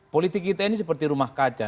politik kita ini seperti rumah kaca